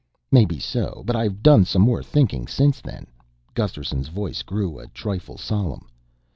"Maybe so, but I've done some more thinking since then." Gusterson's voice grew a trifle solemn.